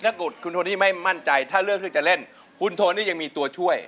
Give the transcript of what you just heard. ถ้าคุณโทนี่ไม่มั่นใจถ้าเลือกที่จะเล่นคุณโทนี่ยังมีตัวช่วย